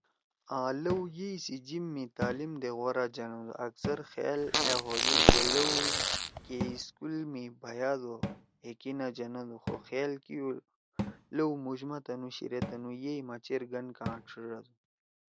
آں لؤ یئی سی جیِب می تعلیم دے غورا جنَدو۔ اکثر خیال أ ہو دُو کہ لؤ کے سکول می بھیادو ہے کی نہ جنَدُو خو خیال کیؤ لؤ مُوش ما تنُو شیِرے تنُو یئی ما چیر کاں ڇھیڙَدُو۔